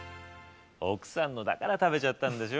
奥さんのだから食べちゃったんでしょ